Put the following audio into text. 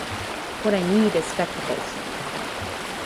What I need is spectacles.